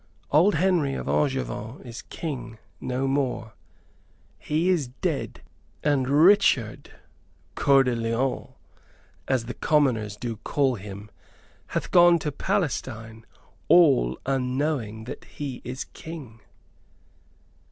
Old Henry of Angevin is King no more he is dead. And Richard, Coeur de Lion, as the commoners do call him, hath gone to Palestine, all unknowing that he is King!"